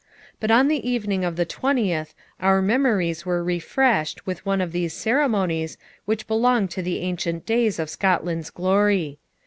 But on the evening of the 20th our memories were refreshed with one of those ceremonies which belong to the ancient days of Scotland's glory.